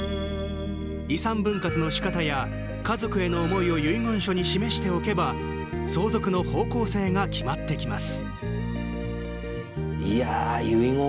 遺産分割のしかたや家族への思いを遺言書に示しておけば相続の方向性が決まってきます。